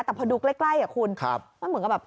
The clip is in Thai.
แต่พอดูใกล้คุณมันเหมือนกับแบบ